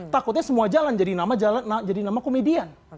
takutnya semua jalan jadi nama komedian